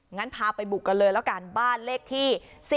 งั้นพาไปบุกกันเลยบ้านเลขที่๔๔๑๑